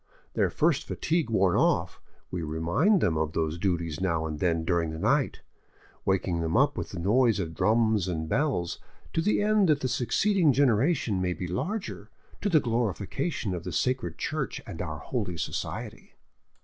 Their first fatigue worn off, we remind them of those duties now and then during the night, waking them up with the noise of drums and bells, to the end that the succeeding generation may be larger, to the glorification of the Sacred Church and our Holy Society."